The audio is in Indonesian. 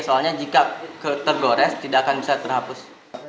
soalnya jika tergores tidak akan bisa terhapus